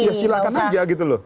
ya silahkan saja gitu loh